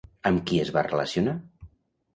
Amb qui es va relacionar?